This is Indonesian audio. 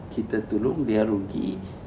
kita tolong dia rugi